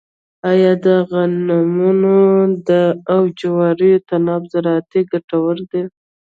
آیا د غنمو او جوارو تناوب زراعتي ګټور دی؟